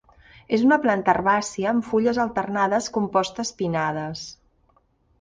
És una planta herbàcia amb fulles alternades compostes pinnades.